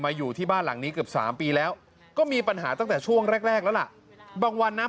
อยู่ที่บ้านหลังนี้เกือบ๓ปีแล้วก็มีปัญหาตั้งแต่ช่วงแรกแรกแล้วล่ะบางวันนะ